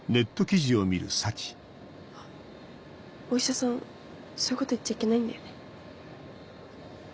あお医者さんそういうこと言っちゃいけないんだよね。